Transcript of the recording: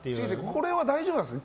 これは大丈夫なんですか？